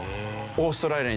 オーストラリア